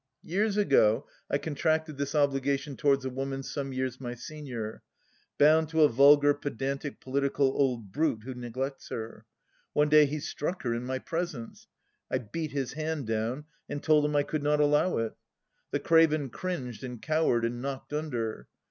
" Years ago I contracted this obligation towards a woman some years my senior ; bound to a vulgar pedantic political old brute who neglects her. One day he struck her in my presence ! I beat his hand down and told him I could not allow it. The craven cringed and cowered and knocked under.